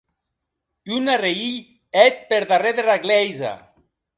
Un arrèhilh hèt per darrèr dera Glèisa!